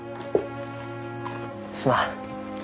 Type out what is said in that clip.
すまん。